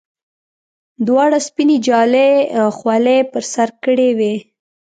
دواړو سپینې جالۍ خولۍ پر سر کړې وې.